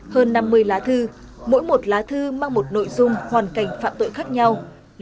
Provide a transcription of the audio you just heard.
hơn năm mươi lá thư mỗi một lá thư mang một nội dung hoàn cảnh phạm tội khác nhau